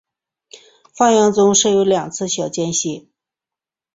放映中设有两次小间歇。